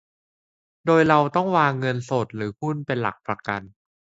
โดยเราต้องวางเงินสดหรือหุ้นเป็นหลักประกัน